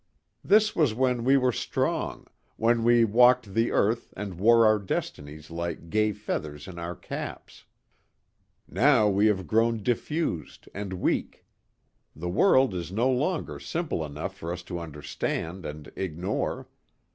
This was when we were strong, when we walked the earth and wore our destinies like gay feathers in our caps. Now we have grown diffused and weak. The world is no longer simple enough for us to understand and ignore.